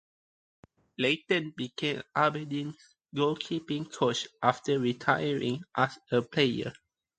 Leighton became Aberdeen's goalkeeping coach after retiring as a player.